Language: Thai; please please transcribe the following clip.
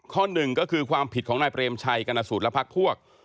หนึ่งก็คือความผิดของนายเปรมชัยกรณสูตรและพักพวก